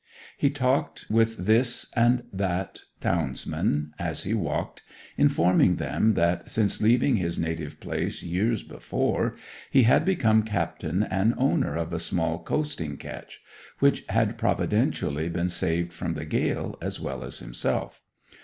He talked with this and that townsman as he walked, informing them that, since leaving his native place years before, he had become captain and owner of a small coasting ketch, which had providentially been saved from the gale as well as himself.